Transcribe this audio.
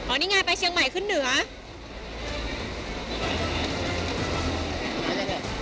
นี่ไงไปเชียงใหม่ขึ้นเหนือ